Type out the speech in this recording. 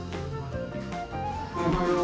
おはよう。